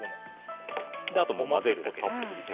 あとは混ぜるだけです。